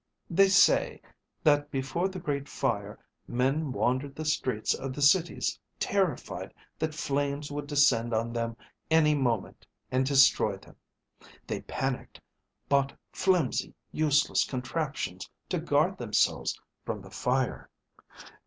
They say, that before the Great Fire, men wandered the streets of the cities terrified that flames would descend on them any moment and destroy them. They panicked, bought flimsy useless contraptions to guard themselves from the fire.